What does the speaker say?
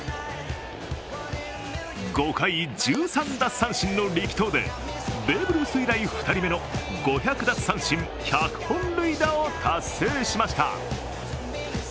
５回１３奪三振の力投でベーブ・ルース以来２人目の５００奪三振１００本塁打を達成しました。